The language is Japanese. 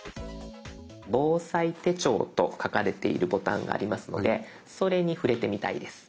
防災手帳と書かれているボタンがありますのでそれに触れてみたいです。